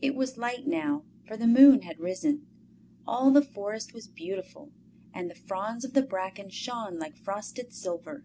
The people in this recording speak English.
It was light now, for the moon had risen. All the forest was beautiful, and the fronds of the bracken shone like frosted silver.